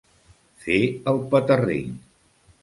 Fer el petarrell.